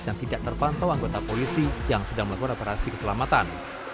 yang tidak terpantau anggota polisi yang sedang melakukan operasi keselamatan